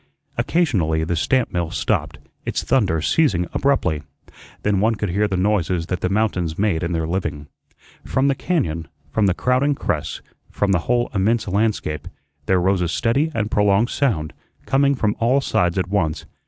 Occasionally the stamp mill stopped, its thunder ceasing abruptly. Then one could hear the noises that the mountains made in their living. From the cañón, from the crowding crests, from the whole immense landscape, there rose a steady and prolonged sound, coming from all sides at once.